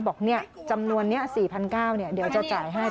บอกจำนวนนี้๔๙๐๐บาทเดี๋ยวจะจ่ายให้